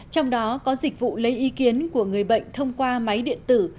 trong đó có dịch vụ lấy ý kiến của người bệnh thông qua máy điện tử